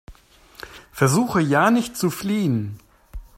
Versuche ja nicht zu fliehen!